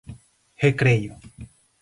Recreio